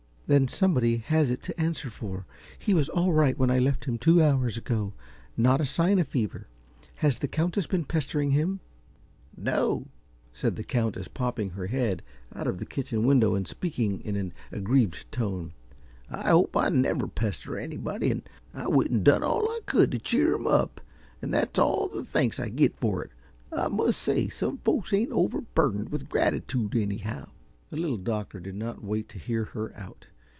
"Then somebody has it to answer for. He was all right when I left him, two hours ago, with not a sign of fever. Has the Countess been pestering him?" "No," said the Countess, popping her head out of the kitchen window and speaking in an aggrieved tone, "I hope I never pester anybody. I went an' done all I could t' cheer 'im up, an' that's all the thanks I git fer it. I must say some folks ain't overburdened with gratitude, anyhow." The Little Doctor did not wait to hear her out.